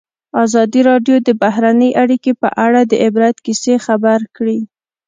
ازادي راډیو د بهرنۍ اړیکې په اړه د عبرت کیسې خبر کړي.